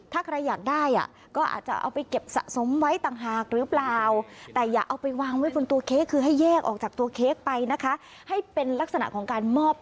ถ้าใครอยากได้ก็อาจจะเอาไปเก็บสะสมไว้ต่างหากหรือเปล่า